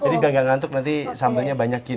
jadi dia enggak ngantuk nanti sambelnya banyakin